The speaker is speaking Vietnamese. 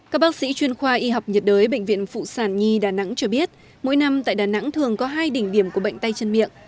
các bác sĩ chuyên khoa y học nhiệt đới bệnh viện phụ sản nhi đà nẵng cho biết mỗi năm tại đà nẵng thường có hai đỉnh điểm của bệnh tay chân miệng